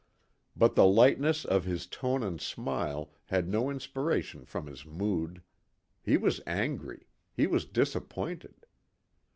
But the lightness of his tone and smile had no inspiration from his mood. He was angry; he was disappointed.